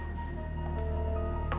tentang apa yang terjadi